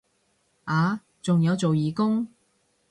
啊仲有做義工